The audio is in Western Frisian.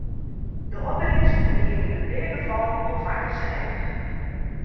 De opbringsten wiene yn in pear gefallen wol twa kear sa heech.